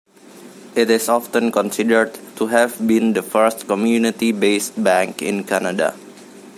It is often considered to have been the first community-based bank in Canada.